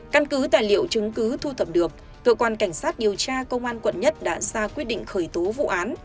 căn cứ tài liệu chứng cứ thu thập được cơ quan cảnh sát điều tra công an quận một đã ra quyết định khởi tố vụ án